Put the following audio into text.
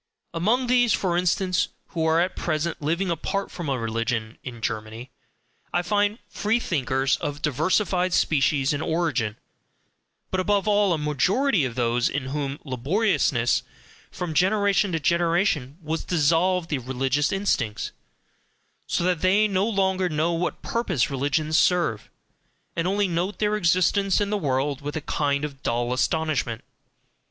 Among these, for instance, who are at present living apart from religion in Germany, I find "free thinkers" of diversified species and origin, but above all a majority of those in whom laboriousness from generation to generation has dissolved the religious instincts; so that they no longer know what purpose religions serve, and only note their existence in the world with a kind of dull astonishment.